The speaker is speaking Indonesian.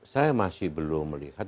saya masih belum melihat